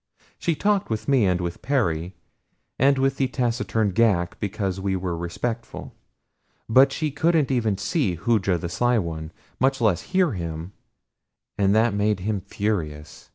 She talked with me, and with Perry, and with the taciturn Ghak because we were respectful; but she couldn't even see Hooja the Sly One, much less hear him, and that made him furious.